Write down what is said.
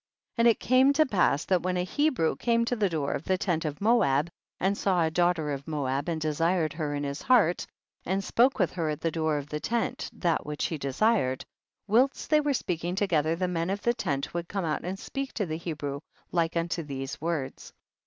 57. And it came to pass that when a Hebrew came to the door of the tent of Moab, and saw a daughter of Moab and desired her in his heart, and spoke with her at the door of the tent that which he desired, whilst they were speaking together the men of the tent would come out and speak to the Hebrew like unto these words : 58.